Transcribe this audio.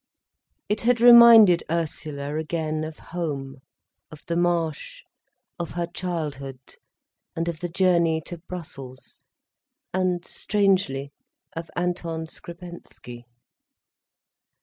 It had reminded Ursula again of home, of the Marsh, of her childhood, and of the journey to Brussels, and, strangely, of Anton Skrebensky.